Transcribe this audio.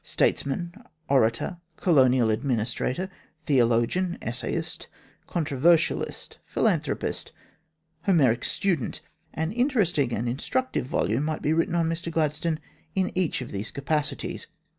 Statesman, orator, Colonial Administrator, theologian, essayist, controversialist, philanthropist, Homeric student an interesting and instructive volume might be written on Mr Gladstone in each of these capacities.